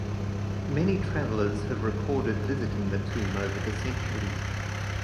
Many travelers have recorded visiting the tomb over the centuries.